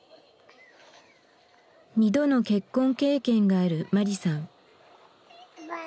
２度の結婚経験があるマリさん。